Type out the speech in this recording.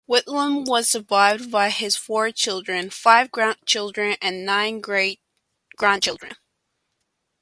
Whitlam was survived by his four children, five grandchildren and nine great-grandchildren.